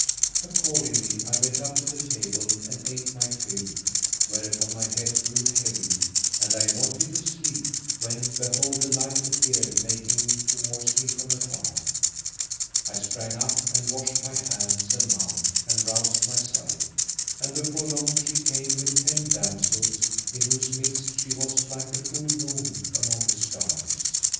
Accordingly I went up to the table and ate my fill, whereupon my head grew heavy and I wanted to sleep, when behold, a light appeared making towards me from afar. I sprang up and washed my hands and mouth and roused myself; and before long she came with ten damsels, in whose midst she was like the full moon among the stars.